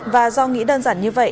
và do nghĩ đơn giản như vậy